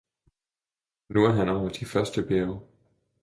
Nu er han over de første bjerge!